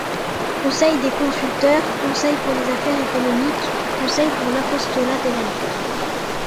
Conseil des consulteurs, Conseil pour les affaires économiques, Conseil pour l’apostolat des laïcs.